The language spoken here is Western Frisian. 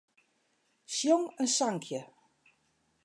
Sjong in sankje.